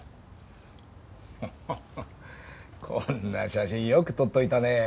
ハハハこんな写真よく取っておいたねえ。